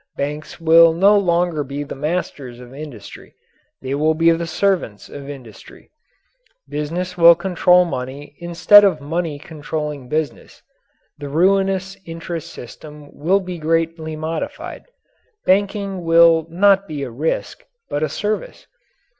Banks will no longer be the masters of industry. They will be the servants of industry. Business will control money instead of money controlling business. The ruinous interest system will be greatly modified. Banking will not be a risk, but a service.